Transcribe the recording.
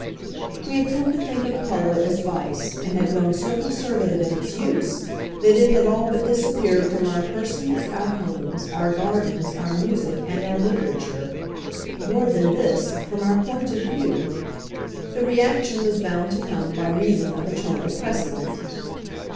We had come to think of colour as vice and had grown so conservative in its use, that it had all but disappeared from our persons, our homes, our gardens, our music and our literature. More than this, from our point of view! The reaction was bound to come by reason of eternal precedent.